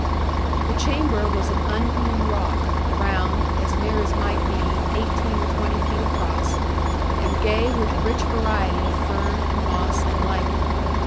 The chamber was of unhewn rock, round, as near as might be, eighteen or twenty feet across, and gay with rich variety of fern and moss and lichen.